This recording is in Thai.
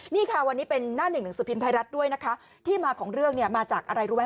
นี่ค่ะวันนี้เป็นหน้าหนึ่งหนังสือพิมพ์ไทยรัฐด้วยนะคะที่มาของเรื่องเนี่ยมาจากอะไรรู้ไหม